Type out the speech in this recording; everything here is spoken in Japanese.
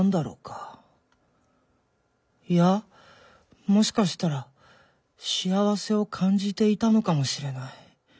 いやもしかしたら幸せを感じていたのかもしれない。